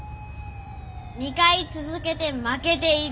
２回続けて負けている。